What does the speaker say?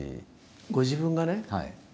ご自分がね